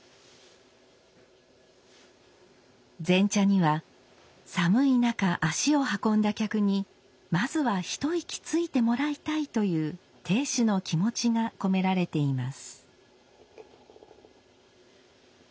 前茶には寒い中足を運んだ客にまずは一息ついてもらいたいという亭主の気持ちが込められています。